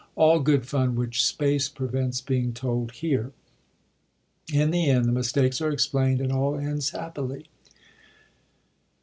all good fun which space prevents being told here. In the end, the mistakes are explaind and all ends happUy.